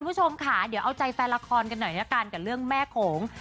คุณผู้ชมค่ะเดี๋ยวเอาใจแฟนละครกันหน่อยละกันกับเรื่องแม่โขง